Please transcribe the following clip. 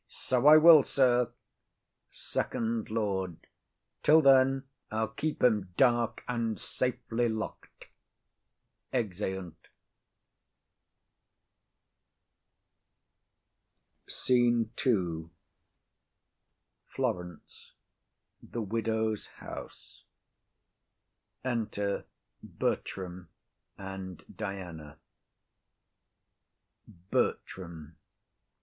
So I will, sir. FIRST LORD. Till then I'll keep him dark, and safely lock'd. [Exeunt.] SCENE II. Florence. A room in the Widow's house. Enter Bertram and Diana. BERTRAM.